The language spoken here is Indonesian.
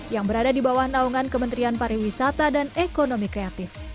yang berada di bawah naungan kementerian pariwisata dan ekonomi kreatif